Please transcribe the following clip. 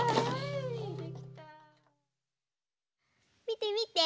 みてみて！